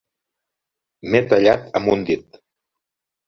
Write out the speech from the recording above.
M'he tallat amb un dit.